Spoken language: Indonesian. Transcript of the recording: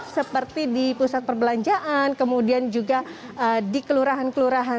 seperti di pusat perbelanjaan kemudian juga di kelurahan kelurahan